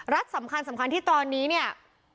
รัฐสำคัญที่ตอนนี้เนี่ย